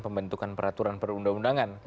pembentukan peraturan perundangan undangan